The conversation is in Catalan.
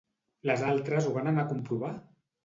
Les altres ho van anar a comprovar?